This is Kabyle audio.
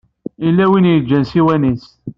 Yella win i yeǧǧan ssiwan-is.